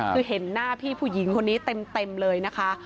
คือเห็นหน้าพี่ผู้หญิงคนนี้เต็มเลยนะคะ